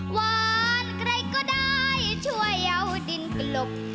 หวานใครก็ได้ช่วยเอาดินกลบ